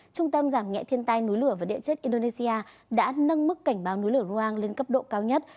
trung tâm giảm nhẹ thiên tai núi lửa và địa chất indonesia đã nâng mức cảnh báo núi lửa ruang lên cấp độ cao nhất